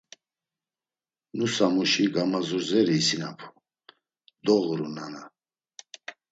Nusamuşi gamazurzeri isinapu: “Doğuru nana.”